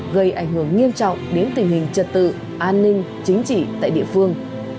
gây ảnh hưởng nghiêm trọng đến tình hình trật tự an ninh chính trị tại địa phương